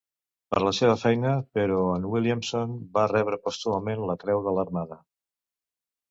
Per la seva feina, però, en Williamson va rebre pòstumament la Creu de l'Armada.